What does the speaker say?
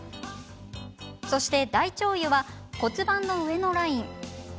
そして大腸兪は骨盤の上のライン。